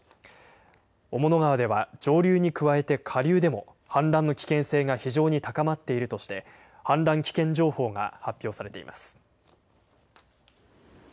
雄物川では、上流に加えて下流でも氾濫の危険性が非常に高まっているとして、氾濫危険情報が発表されています。